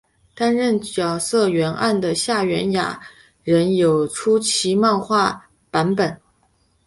担任角色原案的夏元雅人有出其漫画版本。